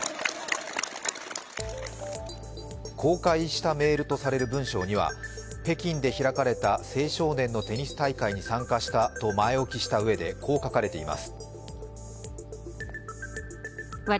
公開したメールとされる文章には北京で開かれた青少年のテニス大会に参加したと前置きしたうえで、こう書かれています。